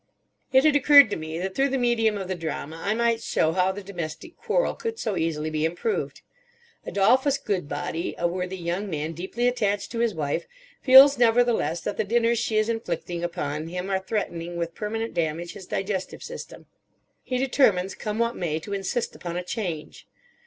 It had occurred to me that through the medium of the drama I might show how the domestic quarrel could so easily be improved. Adolphus Goodbody, a worthy young man deeply attached to his wife, feels nevertheless that the dinners she is inflicting upon him are threatening with permanent damage his digestive system. He determines, come what may, to insist upon a change.